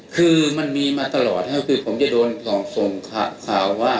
คือมันมีมาตลอดครับคือผมจะโดนส่งข่าวว่า